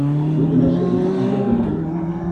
Rue de Machery, Angervilliers